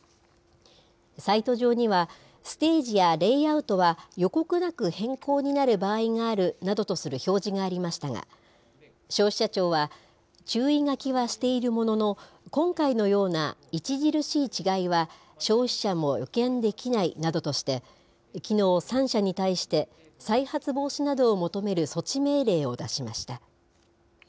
サイト上には、ステージやレイアウトは予告なく変更になる場合があるなどとする表示がありましたが、消費者庁は、注意書きはしているものの、今回のような著しい違いは消費者も予見できないなどとして、きのう、３社に対して、再発防止などを求める措置命令を出しました。